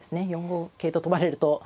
４五桂と跳ばれると。